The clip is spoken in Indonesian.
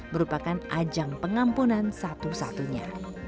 merupakan ajang pengampunan satu satunya